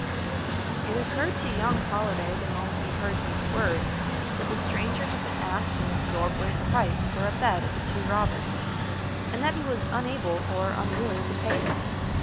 It occurred to young Holliday, the moment he heard these words, that the stranger had been asked an exorbitant price for a bed at The Two Robins, and that he was unable or unwilling to pay it.